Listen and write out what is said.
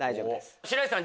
白石さん